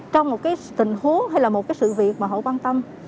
trong một cái tình huống hay là một cái sự việc mà họ quan tâm